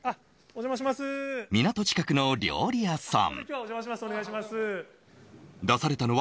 港近くの料理屋さん。